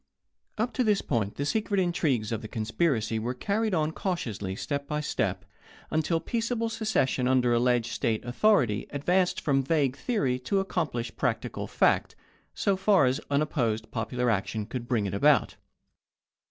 Up to this point the secret intrigues of the conspiracy were carried on cautiously step by step, until peaceable secession under alleged State authority advanced from vague theory to accom plished practical fact, so far as unopposed popular action could bring it about.